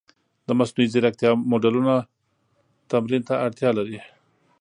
د مصنوعي ځیرکتیا موډلونه تمرین ته اړتیا لري.